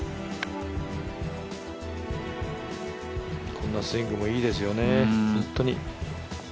このスイングもいいですよね、本当に。